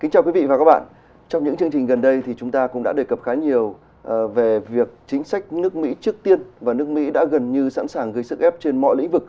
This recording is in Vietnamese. cảm ơn các bạn đã xem